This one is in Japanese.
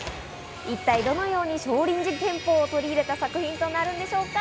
一体どのように少林寺拳法を取り入れた作品となるんでしょうか。